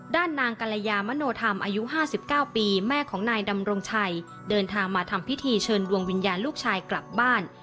นางกรยามโนธรรมอายุ๕๙ปีแม่ของนายดำรงชัยเดินทางมาทำพิธีเชิญดวงวิญญาณลูกชายกลับบ้าน